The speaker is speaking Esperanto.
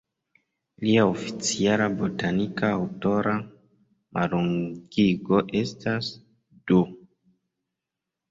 Lia oficiala botanika aŭtora mallongigo estas "D.".